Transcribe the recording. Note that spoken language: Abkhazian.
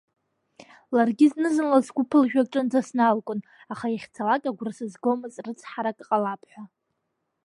Ларгьы зны-зынла сгәы ԥылжәо аҿынӡа сналгон, аха иахьцалак агәра сызгомызт рыцҳарак ҟалап ҳәа.